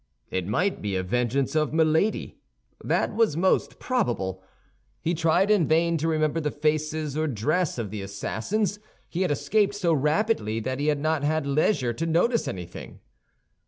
It might be a vengeance of Milady; that was most probable. He tried in vain to remember the faces or dress of the assassins; he had escaped so rapidly that he had not had leisure to notice anything.